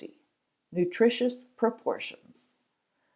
Nutritious Proportions.